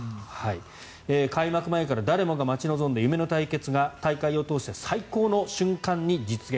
開幕前から誰もが待ち望んだ夢の対決が大会を通して最高の瞬間に実現